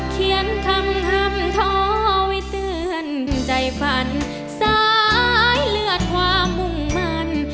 เขียนคำท้อไว้เตือนใจฝันสายเลือดความมุ่งมัน